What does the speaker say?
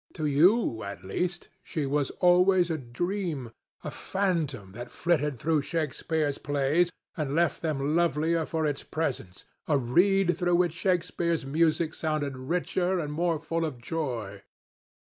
To you at least she was always a dream, a phantom that flitted through Shakespeare's plays and left them lovelier for its presence, a reed through which Shakespeare's music sounded richer and more full of joy.